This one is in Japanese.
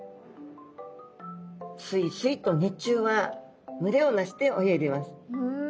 スイスイと日中は群れを成して泳いでいます。